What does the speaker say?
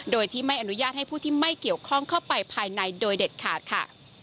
โดยที่ไม่อนุญาตให้ผู้ที่ไม่เกี่ยวข้องเข้าไปภายในโดยเด็ดขาดค่ะ